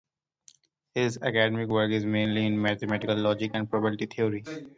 His academic work is mainly in mathematical logic and probability theory.